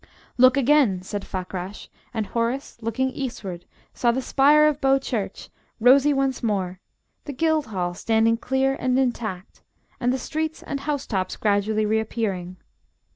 "Look again!" said Fakrash, and Horace, looking eastward, saw the spire of Bow Church, rosy once more, the Guildhall standing clear and intact, and the streets and house tops gradually reappearing.